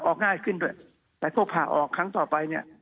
ง่ายขึ้นด้วยแต่พวกผ่าออกครั้งต่อไปเนี่ย